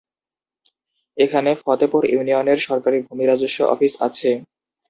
এখানে ফতেপুর ইউনিয়নের সরকারি ভূমি রাজস্ব অফিস আছে।